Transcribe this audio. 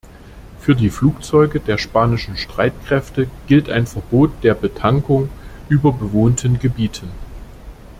Für die Flugzeuge der spanischen Streitkräfte gilt ein Verbot der Betankung über bewohnten Gebieten.